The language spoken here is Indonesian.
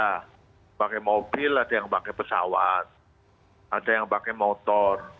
ada pakai mobil ada yang pakai pesawat ada yang pakai motor